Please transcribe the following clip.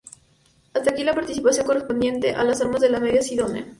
Hasta aquí la partición correspondiente a las Armas de los Medina Sidonia.